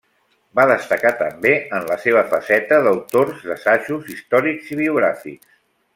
Va destacar també en la seva faceta d'autor d'assajos històrics i biogràfics.